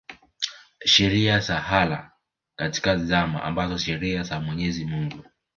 sheria za Allah katika zama ambazo sheria za Mwenyezi Mungu